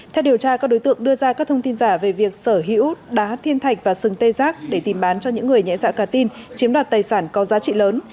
theo điều tra các đối tượng đưa ra các thông tin giả về việc sở hữu đá thiên thạch và sừng tê giác để tìm bán cho những người nhẹ dạ cà tin chiếm đoạt tài sản có giá trị lớn